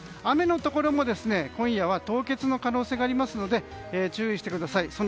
雨のところも今夜は凍結の可能性がありますので注意してください。